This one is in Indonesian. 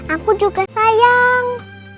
aku juga sayang